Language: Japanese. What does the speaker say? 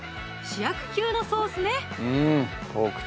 主役級のソースね